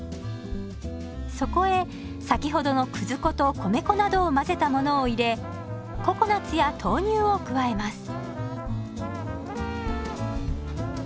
そこへ先ほどのくず粉と米粉などを混ぜたものを入れココナツや豆乳を加えます。